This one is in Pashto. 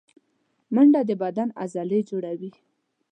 منډه د بدن عضلې جوړوي